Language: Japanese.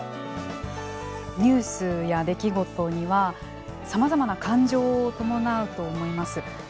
ニュースや出来事にはさまざまな感情を伴うと思います。